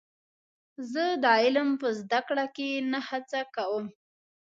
زه د علم په زده کړه کې نه هڅه کوم.